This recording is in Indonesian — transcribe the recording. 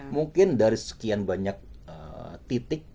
mungkin dari sekian banyak titik